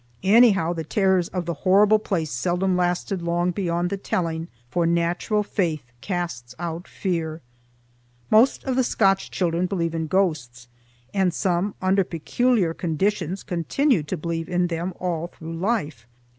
Anyhow the terrors of the horrible place seldom lasted long beyond the telling; for natural faith casts out fear. Most of the Scotch children believe in ghosts, and some under peculiar conditions continue to believe in them all through life.